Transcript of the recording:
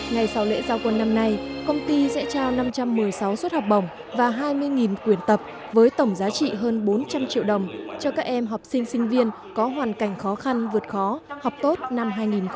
ngày sau lễ giao quân năm nay công ty sẽ trao năm trăm một mươi sáu suất học bổng và hai mươi quyển tập với tổng giá trị hơn bốn trăm linh triệu đồng cho các em học sinh sinh viên có hoàn cảnh khó khăn vượt khó học tốt năm hai nghìn một mươi chín